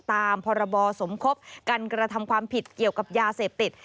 ตามพรบสมคบกันกระทำความผิดเกี่ยวกับยาเสพติด